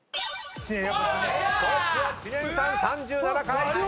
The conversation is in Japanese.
トップは知念さん３７回！